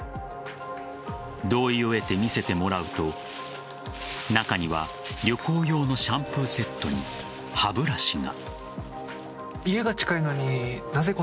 同意を得て、見せてもらうと中には旅行用のシャンプーセットに歯ブラシが。